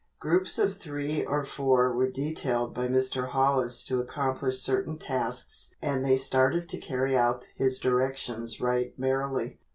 Groups of three or four were detailed by Mr. Hollis to accomplish certain tasks and they started to carry out his directions right merrily.